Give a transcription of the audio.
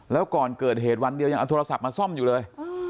แล้วก่อนเกิดเหตุวันเดียวยังเอาโทรศัพท์มาซ่อมอยู่เลย